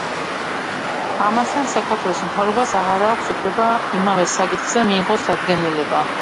ამასთან, საქართველოს მთავრობას აღარ აქვს უფლება, იმავე საკითხზე მიიღოს დადგენილება.